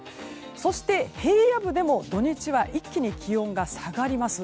そして、平野部でも土日は一気に気温が下がります。